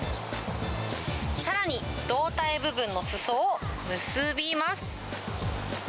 さらに、胴体部分のすそを結びます。